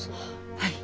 はい。